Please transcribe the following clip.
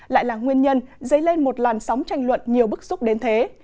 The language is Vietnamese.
lại là nguyên nhân dây lên một làn sóng tranh luận nhiều bức xúc đến thế